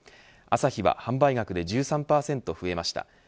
アサヒは販売額で１３％増えました。